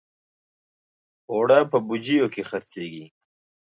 اوړه په بوجیو کې خرڅېږي